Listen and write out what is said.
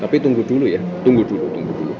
tapi tunggu dulu ya tunggu dulu kemarin sempat dibahas